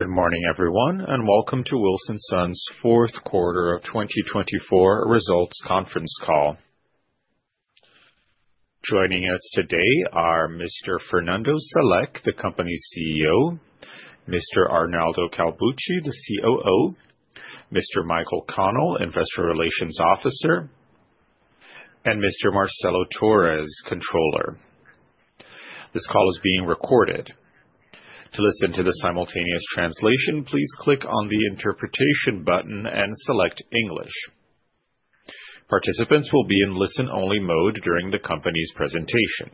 Good morning, everyone, and welcome to Wilson Sons' fourth quarter of 2024 results conference call. Joining us today are Mr. Fernando Salek, the company CEO; Mr. Arnaldo Calbucci, the COO; Mr. Michael Connell, Investor Relations Officer; and Mr. Marcelo Torres, Controller. This call is being recorded. To listen to the simultaneous translation, please click on the interpretation button and select English. Participants will be in listen-only mode during the company's presentation.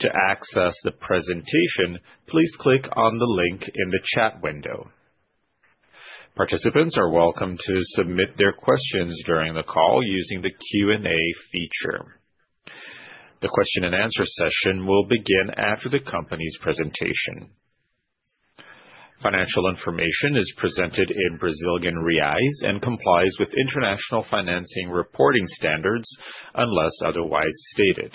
To access the presentation, please click on the link in the chat window. Participants are welcome to submit their questions during the call using the Q&A feature. The question-and-answer session will begin after the company's presentation. Financial information is presented in BRL and complies with International Financing Reporting Standards unless otherwise stated.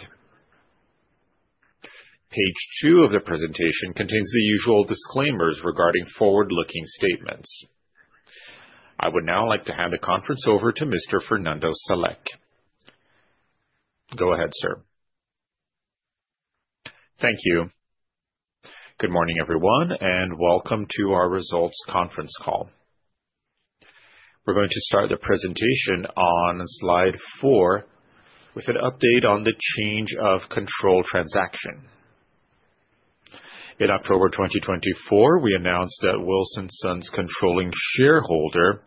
Page two of the presentation contains the usual disclaimers regarding forward-looking statements. I would now like to hand the conference over to Mr. Fernando Salek. Go ahead, sir. Thank you. Good morning, everyone, and welcome to our results conference call. We're going to start the presentation on slide four with an update on the change of control transaction. In October 2024, we announced that Wilson Sons' controlling shareholder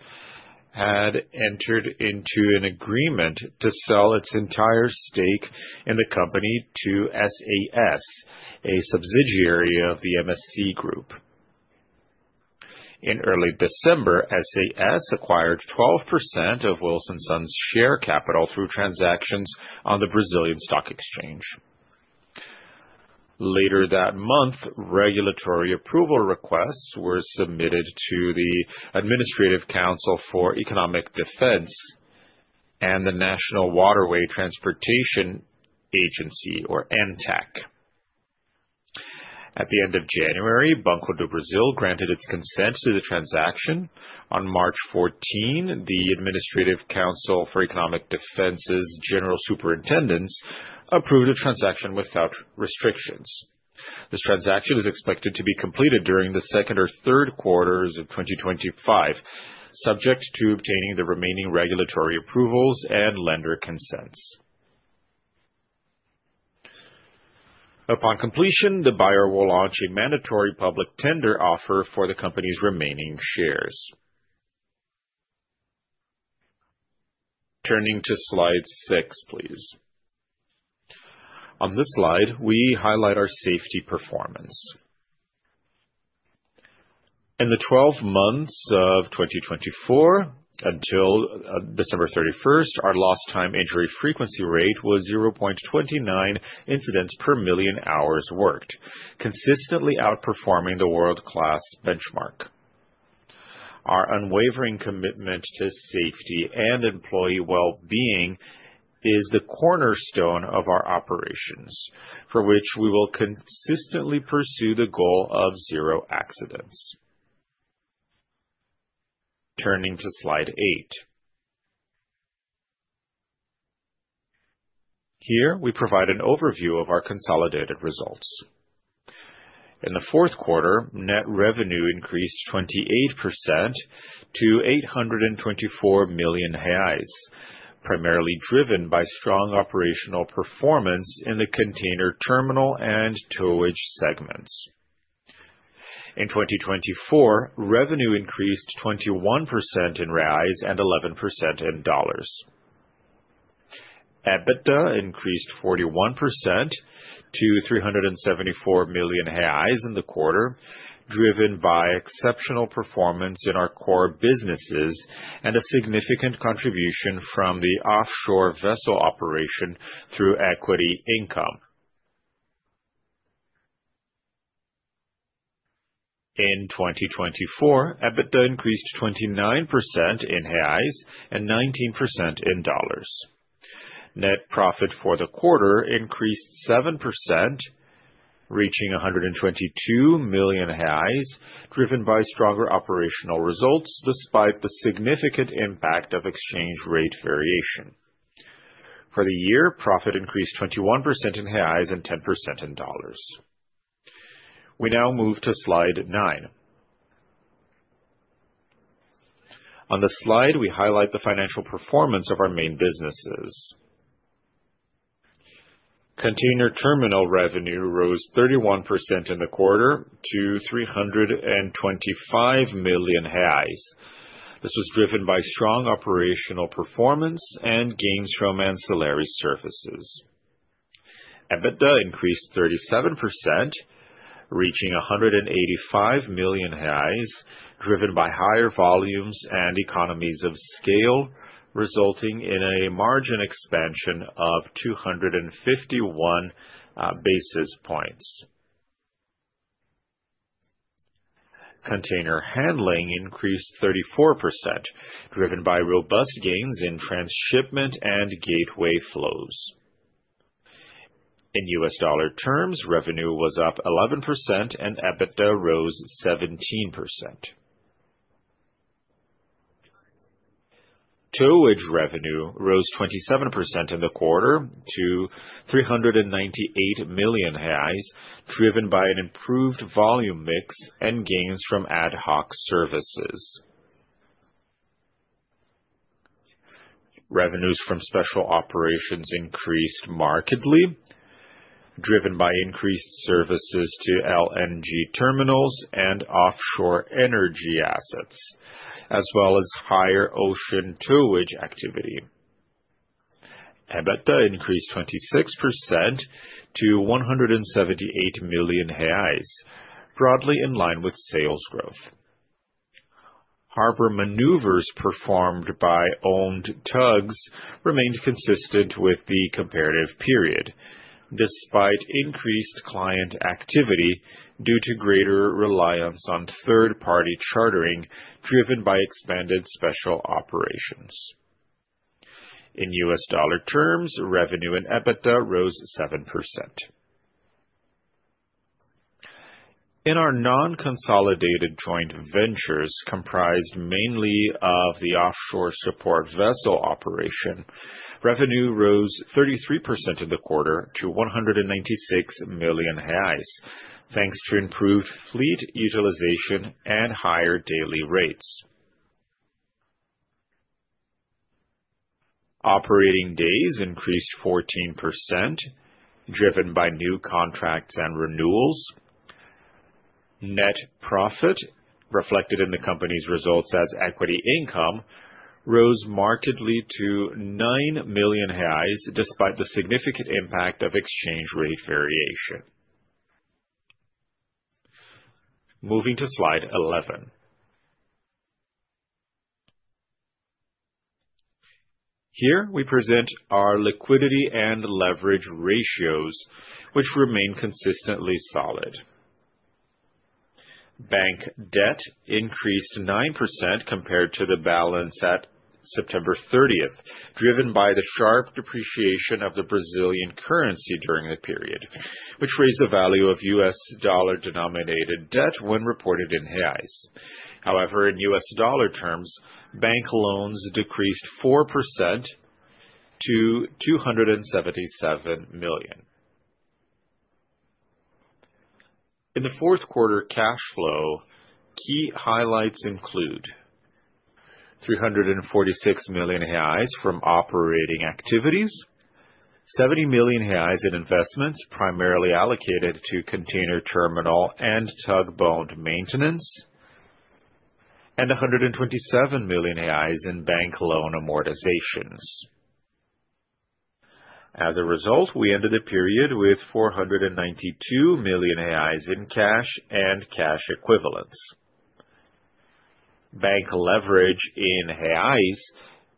had entered into an agreement to sell its entire stake in the company to SAS, a subsidiary of the MSC Group. In early December, SAS acquired 12% of Wilson Sons' share capital through transactions on the Brazilian stock exchange. Later that month, regulatory approval requests were submitted to the Administrative Council for Economic Defense and the National Waterway Transportation Agency, or ANTAQ. At the end of January, Banco do Brasil granted its consent to the transaction. On March 14, the Administrative Council for Economic Defense's General Superintendent approved the transaction without restrictions. This transaction is expected to be completed during the second or third quarters of 2025, subject to obtaining the remaining regulatory approvals and lender consents. Upon completion, the buyer will launch a mandatory public tender offer for the company's remaining shares. Turning to slide six, please. On this slide, we highlight our safety performance. In the 12 months of 2024 until December 31st, our lost-time injury frequency rate was 0.29 incidents per million hours worked, consistently outperforming the world-class benchmark. Our unwavering commitment to safety and employee well-being is the cornerstone of our operations, for which we will consistently pursue the goal of zero accidents. Turning to slide eight. Here, we provide an overview of our consolidated results. In the fourth quarter, net revenue increased 28% to 824 million reais, primarily driven by strong operational performance in the container terminal and towage segments. In 2024, revenue increased 21% in reais and 11% in dollars. EBITDA increased 41% to 374 million reais in the quarter, driven by exceptional performance in our core businesses and a significant contribution from the offshore vessel operation through equity income. In 2024, EBITDA increased 29% in reais and 19% in dollars. Net profit for the quarter increased 7%, reaching 122 million, driven by stronger operational results despite the significant impact of exchange rate variation. For the year, profit increased 21% in reais and 10% in dollars. We now move to slide nine. On this slide, we highlight the financial performance of our main businesses. Container terminal revenue rose 31% in the quarter to 325 million reais. This was driven by strong operational performance and gains from ancillary services. EBITDA increased 37%, reaching 185 million, driven by higher volumes and economies of scale, resulting in a margin expansion of 251 basis points. Container handling increased 34%, driven by robust gains in transshipment and gateway flows. In U.S. dollar terms, revenue was up 11% and EBITDA rose 17%. Towage revenue rose 27% in the quarter to 398 million reais, driven by an improved volume mix and gains from ad hoc services. Revenues from special operations increased markedly, driven by increased services to LNG terminals and offshore energy assets, as well as higher ocean towage activity. EBITDA increased 26% to 178 million reais, broadly in line with sales growth. Harbor maneuvers performed by owned tugs remained consistent with the comparative period, despite increased client activity due to greater reliance on third-party chartering, driven by expanded special operations. In U.S. dollar terms, revenue and EBITDA rose 7%. In our non-consolidated joint ventures, comprised mainly of the offshore support vessel operation, revenue rose 33% in the quarter to 196 million reais, thanks to improved fleet utilization and higher daily rates. Operating days increased 14%, driven by new contracts and renewals. Net profit, reflected in the company's results as equity income, rose markedly to 9 million reais, despite the significant impact of exchange rate variation. Moving to slide 11. Here, we present our liquidity and leverage ratios, which remain consistently solid. Bank debt increased 9% compared to the balance at September 30th, driven by the sharp depreciation of the Brazilian currency during the period, which raised the value of U.S. dollar-denominated debt when reported in reais. However, in U.S. dollar terms, bank loans decreased 4% to $277 million. In the fourth quarter cash flow, key highlights include 346 million reais from operating activities, 70 million reais in investments primarily allocated to container terminal and tugboat maintenance, and 127 million reais in bank loan amortizations. As a result, we ended the period with 492 million reais in cash and cash equivalents. Bank leverage in reais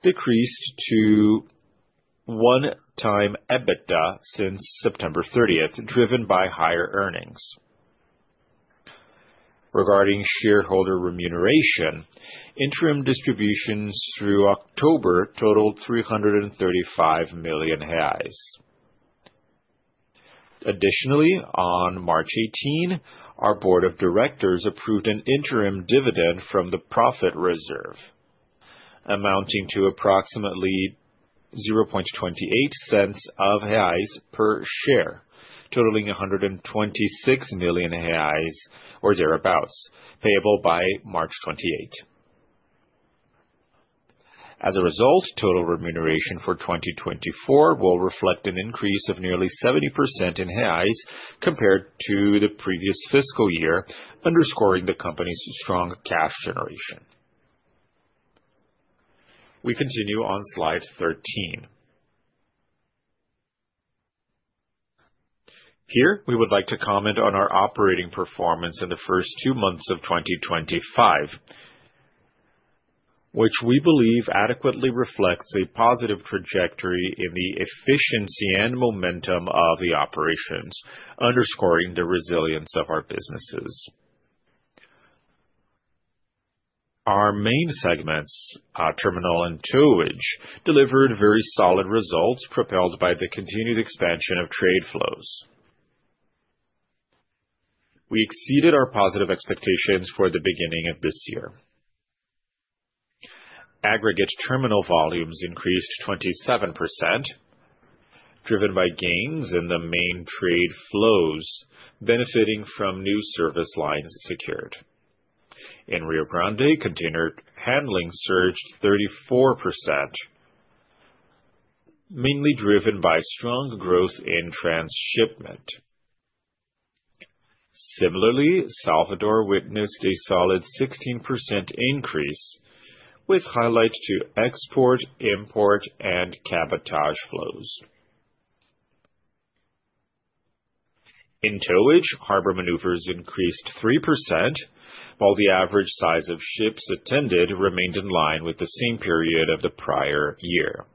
decreased to 1x EBITDA since September 30th, driven by higher earnings. Regarding shareholder remuneration, interim distributions through October totaled BRL 335 million. Additionally, on March 18, our board of directors approved an interim dividend from the profit reserve, amounting to approximately 0.28 per share, totaling 126 million reais or thereabouts, payable by March 28. As a result, total remuneration for 2024 will reflect an increase of nearly 70% in reais compared to the previous fiscal year, underscoring the company's strong cash generation. We continue on slide 13. Here, we would like to comment on our operating performance in the first two months of 2025, which we believe adequately reflects a positive trajectory in the efficiency and momentum of the operations, underscoring the resilience of our businesses. Our main segments, terminal and towage, delivered very solid results propelled by the continued expansion of trade flows. We exceeded our positive expectations for the beginning of this year. Aggregate terminal volumes increased 27%, driven by gains in the main trade flows benefiting from new service lines secured. In Rio Grande, container handling surged 34%, mainly driven by strong growth in transshipment. Similarly, Salvador witnessed a solid 16% increase, with highlights to export, import, and cabotage flows. In towage, harbor maneuvers increased 3%, while the average size of ships attended remained in line with the same period of the prior year.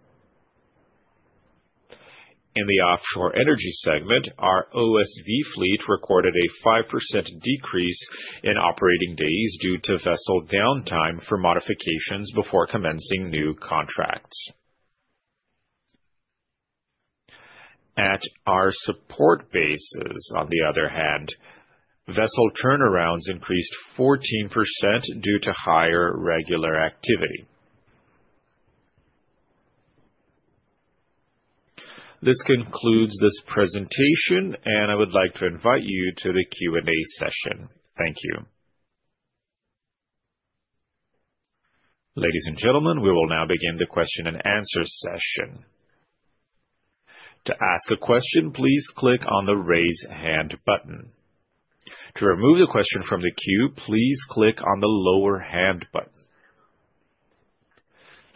In the offshore energy segment, our OSV fleet recorded a 5% decrease in operating days due to vessel downtime for modifications before commencing new contracts. At our support bases, on the other hand, vessel turnarounds increased 14% due to higher regular activity. This concludes this presentation, and I would like to invite you to the Q&A session. Thank you. Ladies and gentlemen, we will now begin the question and answer session. To ask a question, please click on the raise hand button. To remove the question from the queue, please click on the lower hand button.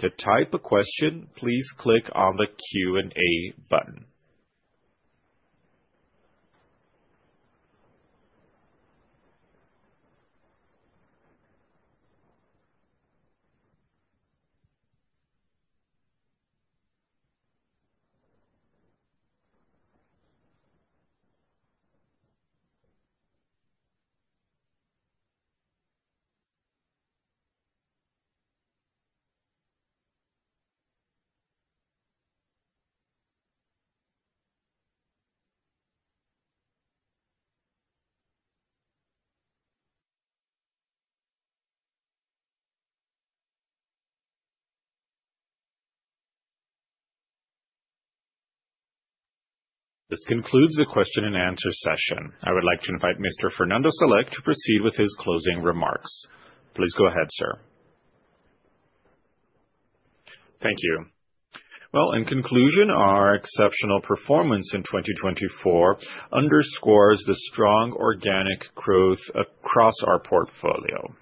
To type a question, please click on the Q&A button. This concludes the question and answer session. I would like to invite Mr. Fernando Salek to proceed with his closing remarks. Please go ahead, sir. Thank you. In conclusion, our exceptional performance in 2024 underscores the strong organic growth across our portfolio.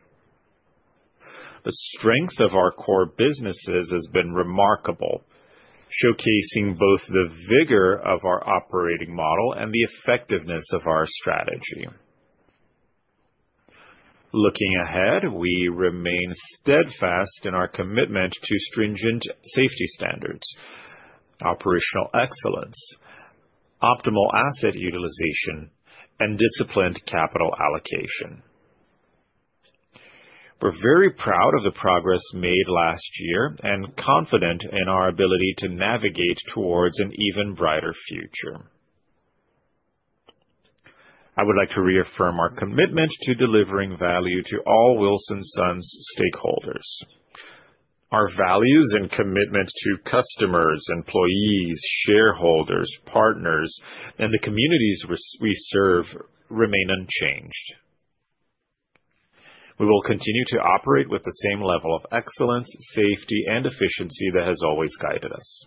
The strength of our core businesses has been remarkable, showcasing both the vigor of our operating model and the effectiveness of our strategy. Looking ahead, we remain steadfast in our commitment to stringent safety standards, operational excellence, optimal asset utilization, and disciplined capital allocation. We're very proud of the progress made last year and confident in our ability to navigate towards an even brighter future. I would like to reaffirm our commitment to delivering value to all Wilson Sons stakeholders. Our values and commitment to customers, employees, shareholders, partners, and the communities we serve remain unchanged. We will continue to operate with the same level of excellence, safety, and efficiency that has always guided us.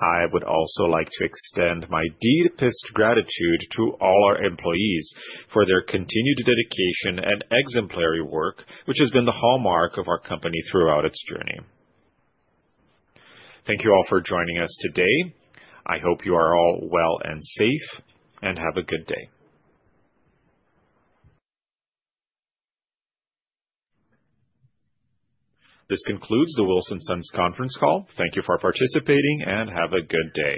I would also like to extend my deepest gratitude to all our employees for their continued dedication and exemplary work, which has been the hallmark of our company throughout its journey. Thank you all for joining us today. I hope you are all well and safe, and have a good day. This concludes the Wilson Sons Conference Call. Thank you for participating, and have a good day.